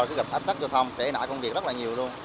cứ gặp áp tác giao thông trễ nải công việc rất là nhiều luôn